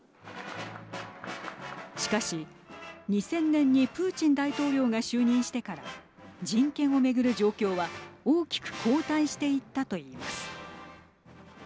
しかし２０００年にプーチン大統領が就任してから人権を巡る状況は大きく後退していったと言います。